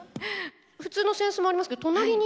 普通の扇子もありますけど隣に。